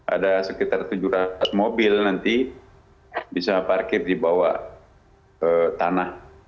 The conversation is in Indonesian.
ada sekitar tujuh ratus mobil nanti bisa parkir di bawah tanah